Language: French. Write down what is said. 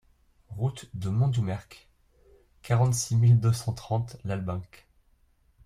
Route de Montdoumerc, quarante-six mille deux cent trente Lalbenque